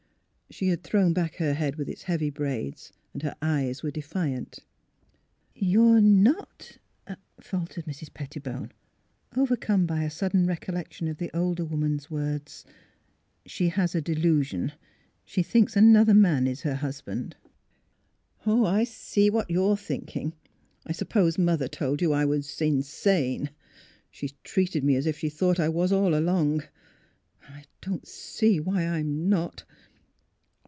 She had thrown back her head with its heavy braids; her eyes were defiant. '' You are not " faltered Mrs. Pettibone, overcome by a sudden recollection of the older 230 THE HEART OF PHILURA woman's words :'' She has a delusion. She thinks another man is her husband." "I see what you are thinking. I suppose Mother told you I am insane. She has treated me as if she thought I was, all along. I don't see why I'm not."